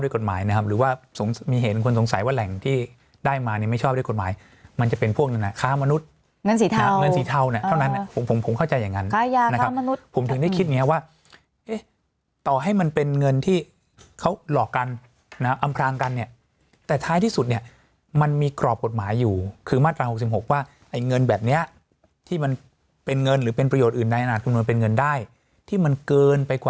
กฎหมายนะครับหรือว่าสงสัยมีเหตุคนสงสัยว่าแหล่งที่ได้มาเนี้ยไม่ชอบได้กฎหมายมันจะเป็นพวกนั้นอ่ะค้ามนุษย์เงินสีเทาเงินสีเทาเนี้ยเท่านั้นผมผมเข้าใจอย่างงั้นค้ายาค้ามนุษย์ผมถึงได้คิดอย่างเงี้ยว่าเอ๊ะต่อให้มันเป็นเงินที่เขาหลอกกันนะอำพลางกันเนี้ยแต่ท้ายที่สุดเนี้ยมันมีก